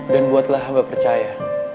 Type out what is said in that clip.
dan buatlah hamba percaya